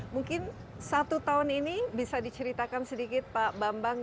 mungkin satu tahun ini bisa diceritakan sedikit pak bambang